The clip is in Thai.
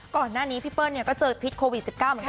ก่อนหน้านี้พี่เปิ้ลก็เจอพิษโควิด๑๙เหมือนกัน